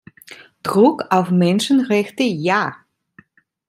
Druck auf Menschenrechte ja!